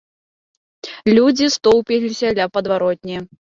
Людзі стоўпіліся ля падваротні.